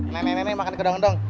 nenek nenek makan kedong kedong